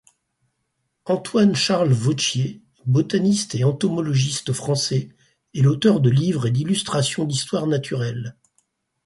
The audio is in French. Antoine-Charles Vauthier, botaniste et entomologiste français, est l'auteur de livres et d'illustrations d'histoire naturelle.